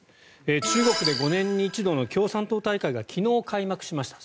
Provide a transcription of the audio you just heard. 中国で５年に一度の共産党大会が昨日、開幕しました。